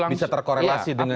bisa terkorelasi dengan